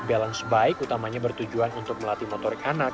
balance bike utamanya bertujuan untuk melatih motorik anak